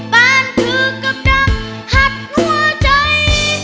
บ้านคือก็ดังหักหัวใจ